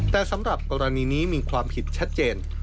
แต่สำหรับกรณีนี้มีความผิดชัดเจน